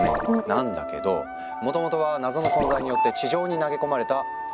なんだけどもともとは謎の存在によって地上に投げ込まれた「球」だったの。